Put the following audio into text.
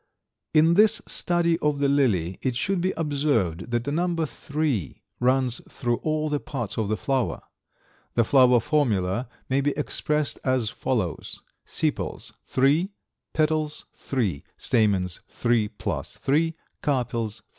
In this study of the lily it should be observed that the number three runs through all the parts of the flower. The flower formula may be expressed as follows: sepals 3, petals 3, stamens 3 plus 3, carpels 3.